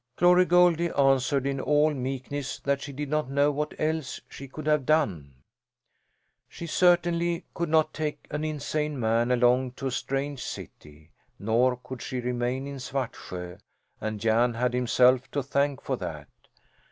Glory Goldie answered in all meekness that she did not know what else she could have done. She certainly could not take an insane man along to a strange city, nor could she remain in Svartsjö, and Jan had himself to thank for that.